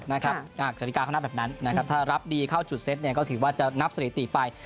นาฬิกาเขานับแบบนั้นนะครับถ้ารับดีเข้าจุดเซ็ตก็ถือว่าจะนับสถิติไป